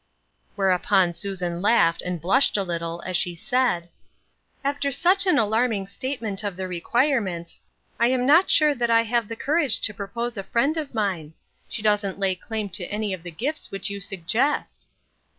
Whereupon Susan laughed, and blushed a lit tle, as she said : "After such an alarming statement of the requirements, I am not sure that I have the courage to propose a friend of mine. She doesn't lay claim to any of the gifts which you suggest."